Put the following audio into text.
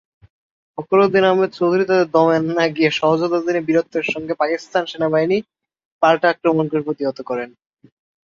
ফখর উদ্দিন আহমেদ চৌধুরী তাতে দমে না গিয়ে সহযোদ্ধাদের নিয়ে বীরত্বের সঙ্গে পাকিস্তান সেনাবাহিনীর পাল্টা আক্রমণ প্রতিহত করেন।